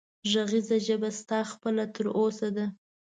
غږېږه ژبه ستا خپله تر اوسه ده